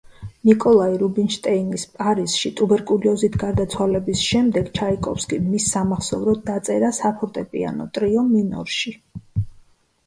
ნიკოლაი რუბინშტეინის პარიზში, ტუბერკულიოზით გარდაცვალების შემდეგ ჩაიკოვსკიმ მის სამახსოვროდ დაწერა საფორტეპიანო ტრიო მინორში.